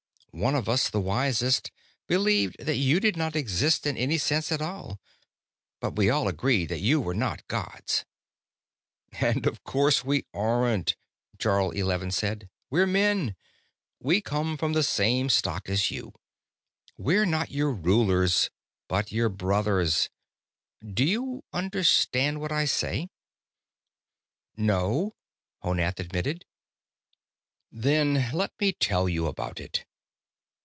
One of us, the wisest, believed that you did not exist in any sense at all. But we all agreed that you were not gods." "And of course we aren't," Jarl Eleven said. "We're men. We come from the same stock as you. We're not your rulers, but your brothers. Do you understand what I say?" "No," Honath admitted. "Then let me tell you about it.